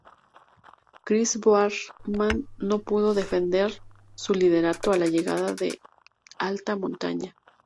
Chris Boardman no pudo defender su liderato a la llegada del alta montaña.